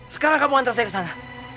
sekarang kamu ngantar saya ke sana